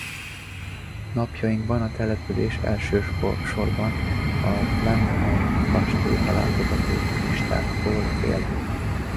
Napjainkban a település elsősorban a Blenheim-kastélyba látogató turistákból él.